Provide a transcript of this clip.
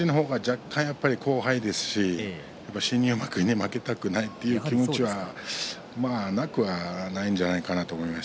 富士の方が新入幕に負けたくないという気持ちがなくはないんじゃないかなと思います。